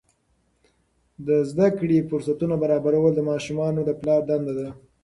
د زده کړې فرصتونه برابرول د ماشومانو د پلار دنده ده.